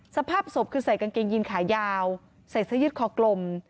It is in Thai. สภาพศพคือใส่กางเกงยินขายาวใส่เสื้อยืดคอกลม